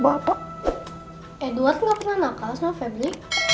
edward gak pernah nakal sama febri